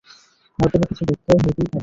হয়তোবা কিছু ব্যতয় হতেই পারে।